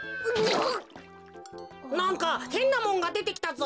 なんかへんなもんがでてきたぞ。